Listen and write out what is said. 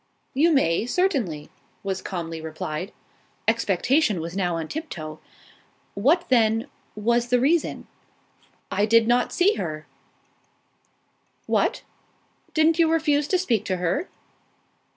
"You may, certainly," was calmly replied. Expectation was now on tiptoe. "What, then, was the reason?" "I did not see her." "What? Didn't you refuse to speak to her?"